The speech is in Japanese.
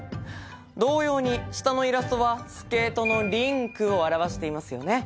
同様に、下のイラストはスケートのリンクを表していますよね。